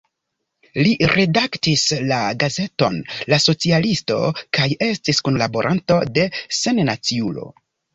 Li redaktis la gazeton "La Socialisto" kaj estis kunlaboranto de "Sennaciulo.